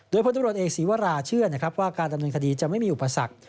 โดยพลตรวจเอกศีวราเชื่อนะครับว่าการดำเนินคดีจะไม่มีอุปสรรค